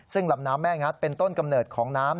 ซึ่งลำน้ำแม่งัดเป็นต้นกำเนิดของน้ำ